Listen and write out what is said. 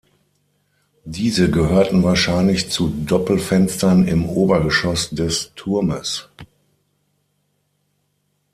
Diese gehörten wahrscheinlich zu Doppelfenstern im Obergeschoss des Turmes.